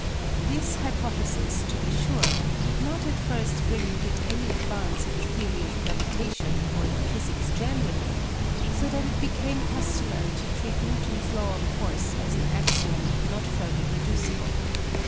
This hypothesis, to be sure, did not at first bring with it any advance in the theory of gravitation or in physics generally, so that it became customary to treat Newton's law of force as an axiom not further reducible.